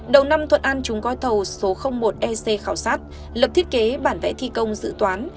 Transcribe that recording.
đầu năm thuận an chúng gói thầu số một ec khảo sát lập thiết kế bản vẽ thi công dự toán